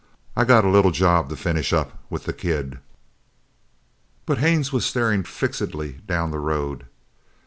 I got a little job to finish up with the kid." But Haines was staring fixedly down the road.